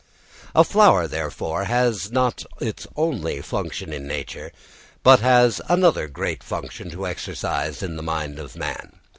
] A flower, therefore, has not its only function in nature, but has another great function to exercise in the mind of man.